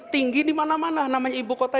tinggi di mana mana namanya ibu kota